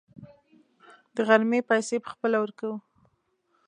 د غرمې پیسې به خپله ورکوو.